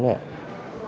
đưa đón ai